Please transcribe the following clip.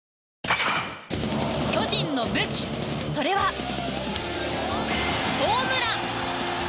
巨人の武器それはホームラン！